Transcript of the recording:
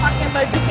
pake baju keknya